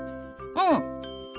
うん。